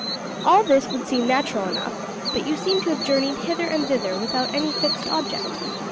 All this would seem natural enough, but you seem to have journeyed hither and thither without any fixed object.